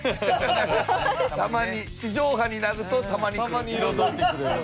たまに地上波になるとたまに来る彩り。